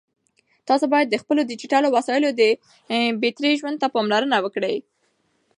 تاسو باید د خپلو ډیجیټل وسایلو د بېټرۍ ژوند ته پاملرنه وکړئ.